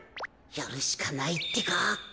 やるしかないってか。